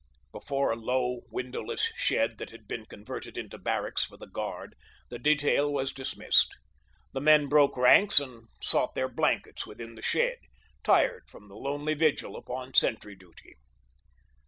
Before a low, windowless shed that had been converted into barracks for the guard, the detail was dismissed. The men broke ranks and sought their blankets within the shed, tired from their lonely vigil upon sentry duty.